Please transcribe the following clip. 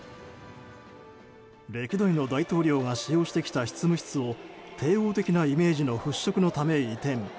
歴代の大統領が使用してきた執務室を帝王的なイメージの払しょくのため移転。